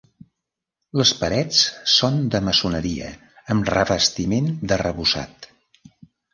Les parets són de maçoneria amb revestiment d'arrebossat.